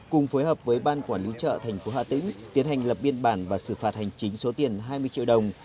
cùng phối hợp với ban quản lý chợ thành phố hà tĩnh tiến hành lập biên bản và xử phạt hành chính số tiền hai mươi triệu đồng